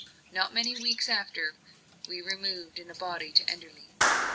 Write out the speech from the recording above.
Not many weeks after, we removed in a body to Enderley.